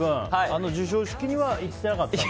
あの授賞式には行ってなかったんだ。